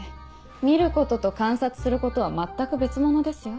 見ることと観察することは全く別物ですよ。